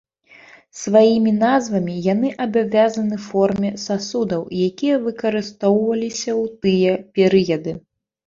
Сваімі назвамі яны абавязаны форме сасудаў, якія выкарыстоўваліся ў тыя перыяды.